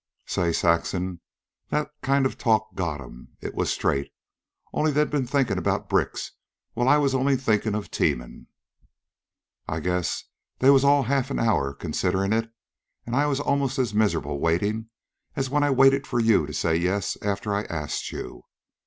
"Say, Saxon, that kind of talk got 'em. It was straight. Only they'd been thinkin' about bricks, while I was only thinkin' of teamin'. "I guess they was all of half an hour considerin', an' I was almost as miserable waitin' as when I waited for you to say yes after I asked you.